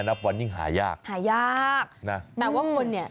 นับวันยิ่งหายากหายากนะแต่ว่าคนเนี่ย